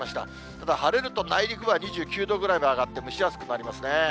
ただ晴れると内陸は２９度ぐらいまで上がって、蒸し暑くなりますね。